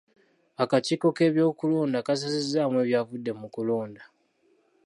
Akakiiko k'ebyokulonda kasazizzaamu ebyavudde mu kulonda.